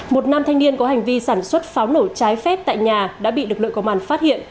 một nam thanh niên có hành vi sản xuất pháo nổ trái phép tại nhà đã bị lực lượng công an phát hiện